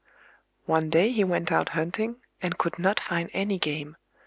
One day he went out hunting, and could not find any game.